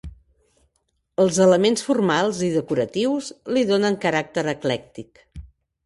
Els elements formals i decoratius li donen caràcter eclèctic.